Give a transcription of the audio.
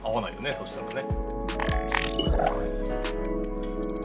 そしたらね。